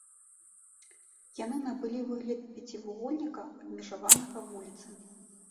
Яны набылі выгляд пяцівугольніка, абмежаванага вуліцамі.